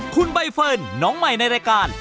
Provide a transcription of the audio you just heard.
คุณใบเฟิร์นน้องใหม่ในรายการ